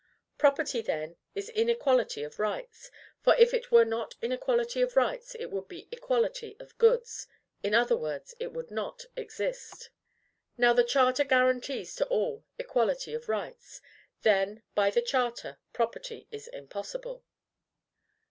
Property, then, is inequality of rights; for, if it were not inequality of rights, it would be equality of goods, in other words, it would not exist. Now, the charter guarantees to all equality of rights. Then, by the charter, property is impossible.